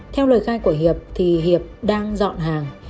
theo lời khai của hiệp thì hiệp đang dọn hàng